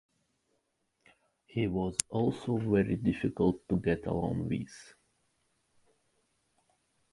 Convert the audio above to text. He was also very difficult to get along with.